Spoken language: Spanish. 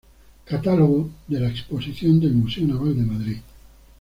Catálogo de la exposición del Museo Naval de Madrid